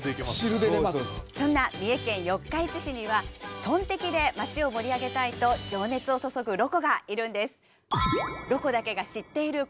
そんな三重県四日市市にはトンテキで街を盛り上げたいと情熱を注ぐロコがいるんです。